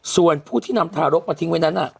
ส่วนผู้ที่นำทารกมาทิ้งไว้นั้น